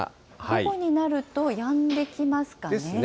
昼間になるともうやんできますかね。